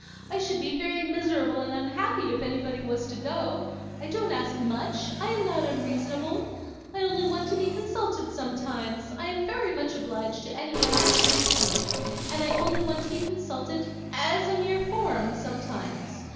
I should be very miserable and unhappy if anybody was to go. I don't ask much. I am not unreasonable. I only want to be consulted sometimes. I am very much obliged to anybody who assists me, and I only want to be consulted as a mere form, sometimes.